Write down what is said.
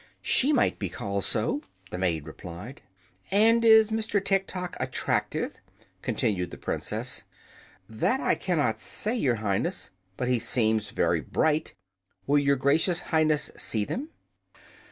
"She might be called so," the maid replied. "And is Mr. Tiktok attractive?" continued the Princess. "That I cannot say, Your Highness. But he seems very bright. Will Your Gracious Highness see them?"